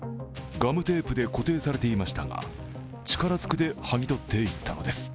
ガムテープで固定されていましたが力づくではぎ取っていったのです。